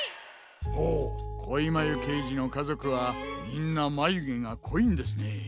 ほうこいまゆけいじのかぞくはみんなまゆげがこいんですね。